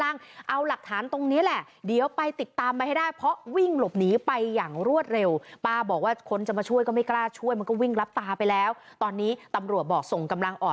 แล้วฝั่งนี้ไม่มีคนแล้วก็จงนิดตามมันก็ไม่เห็นตัวมันแล้ว